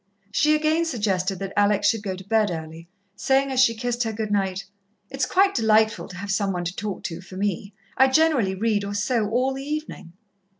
She again suggested that Alex should go to bed early, saying as she kissed her good night: "It's quite delightful to have some one to talk to, for me. I generally read or sew all the evening."